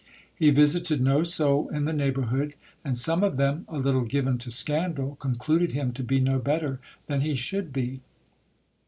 He visited no soul in the neighbourhood, and some of them, a little given to scan dal, concluded him to be no better than he should be.